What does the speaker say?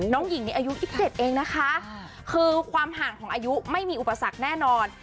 น้องหญิงนี่อายุ๑๗เองนะคะคือความห่างของอายุไม่มีอุปสรรคแน่นอน